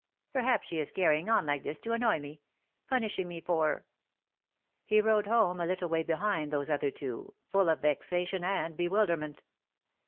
'' Perhaps she is carrying on like this to annoy me — punishing me for '^ He rode home a little way behind those other two, full of vexation and bewilderment.